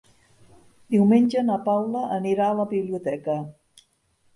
Diumenge na Paula anirà a la biblioteca.